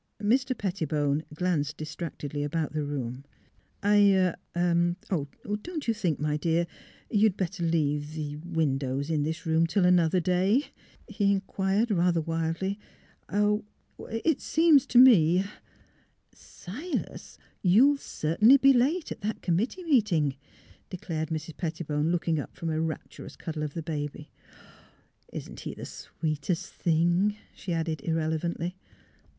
Mr. Pettibone glanced distractedly about the room. " I — er — don't you think, my dear, you'd bet ter leave the — er — windows in this room till an other day? " he inquired, rather wildly. '' I — I — it seems to me "'' Silas, you'll certainly be late at that com mittee meeting," declared Mrs. Pettibone, look ing up from a rapturous cuddle of the baby. ..." Isn't he the sweetest thing? " she added, irrelevantly.